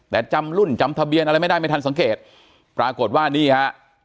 แต่จำรุ่นจำทะเบียนอะไรไม่ได้ไม่ทันสังเกตปรากฏว่านี่ฮะ